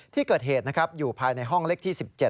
ที่เกิดเหตุนะครับอยู่ภายในห้องเล็กที่๑๗